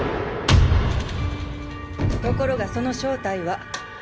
ところがその正体は。